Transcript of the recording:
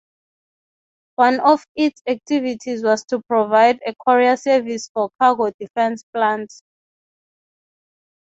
One of its activities was to provide a courier service for cargo defense plants.